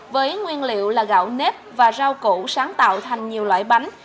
với nguyên liệu là gạo nếp và rau củ sáng tạo thành nhiều loại bánh